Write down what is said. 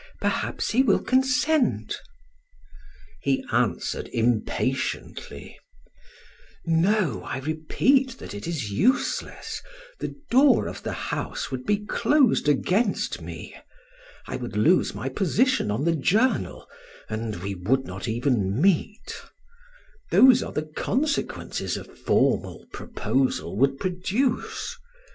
Perhaps he will consent." He answered impatiently: "No, I repeat that it is useless; the door of the house would be closed against me. I would lose my position on the journal, and we would not even meet. Those are the consequences a formal proposal would produce.